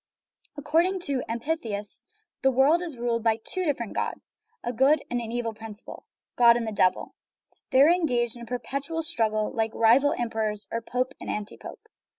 According to the amphitheists, the world is ruled by two different gods, a good and an evil principle, God and the Devil. They are engaged in a perpetual strug gle, like rival emperors, or pope and anti pope.